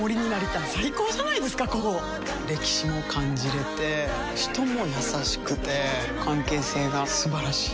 歴史も感じれて人も優しくて関係性が素晴らしい。